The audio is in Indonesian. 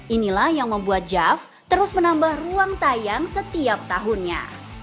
inilah yang membuat jav terus menambah ruang tayang setiap tahunnya